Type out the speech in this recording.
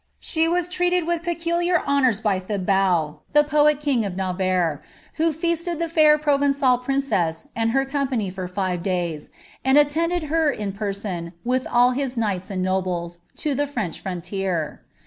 She was treated with peculiar honours by Thibaut, the poet king of Navarre, who feasted the &ir Provencal frincess and her company for £ve days, and attended her in person, with all his knights and nobles, to the French frontier.